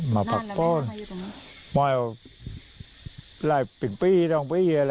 ไม่ออกหลายเปลี่ยนต้องไปเยอะแหละ